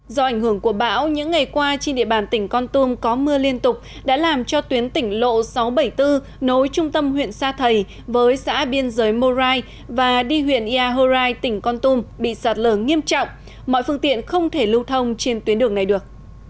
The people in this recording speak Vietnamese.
do ảnh hưởng của bão những ngày qua trên địa bàn tỉnh con tum có mưa liên tục đã làm cho tuyến tỉnh lộ sáu trăm bảy mươi bốn nối trung tâm huyện sa thầy với xã biên giới morai và đi huyện ia horrai tỉnh con tum bị sạt lở nghiêm trọng mọi phương tiện không thể lưu thông trên tuyến đường này được